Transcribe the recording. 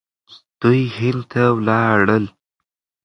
دوی هند ته ولاړل.